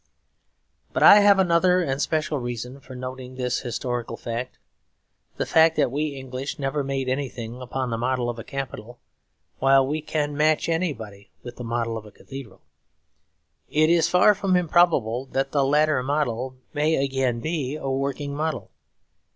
But I have another and special reason for noting this historical fact; the fact that we English never made anything upon the model of a capitol, while we can match anybody with the model of a cathedral. It is far from improbable that the latter model may again be a working model.